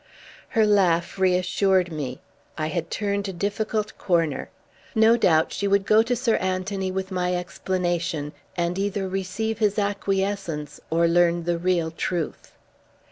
Her laugh reassured me. I had turned a difficult corner. No doubt she would go to Sir Anthony with my explanation and either receive his acquiescence or learn the real truth.